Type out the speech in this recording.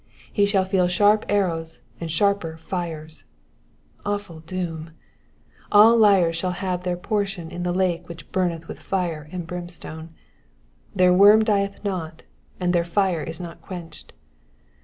He shall feel sharp arrows and sharper fires. Awful doom ! All liars shall have their portion in the lake which burneth with fire and brimstone. Their worm dieth not, and their fire is not quenched.